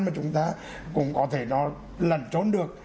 mà chúng ta cũng có thể nó lẩn trốn được